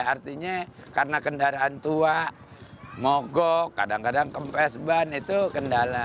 artinya karena kendaraan tua mogok kadang kadang kempes ban itu kendala